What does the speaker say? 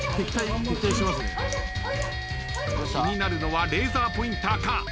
気になるのはレーザーポインターか？